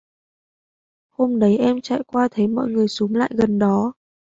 hôm đấy em chạy qua thấy mọi người xúm lại gần đó